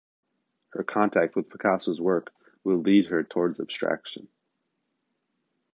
Her contact with Picasso’s work will lead her towards abstraction.